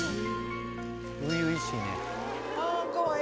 初々しいね。